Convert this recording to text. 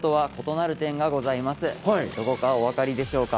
どこかお分かりでしょうか。